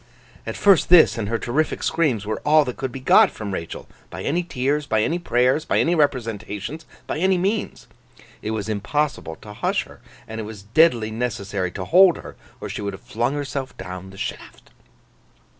At first this, and her terrific screams, were all that could be got from Rachael, by any tears, by any prayers, by any representations, by any means. It was impossible to hush her; and it was deadly necessary to hold her, or she would have flung herself down the shaft.